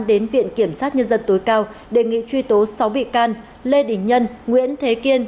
đến viện kiểm sát nhân dân tối cao đề nghị truy tố sáu bị can lê đình nhân nguyễn thế kiên